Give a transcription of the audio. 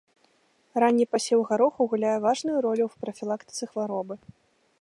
Ранні пасеў гароху гуляе важную ролю ў прафілактыцы хваробы.